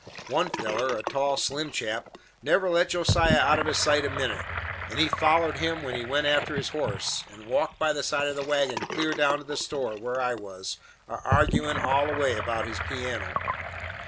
One feller, a tall slim chap, never let Josiah out of his sight a minute; and he follered him when he went after his horse, and walked by the side of the wagon clear down to the store where I was, a arguin' all the way about his piano.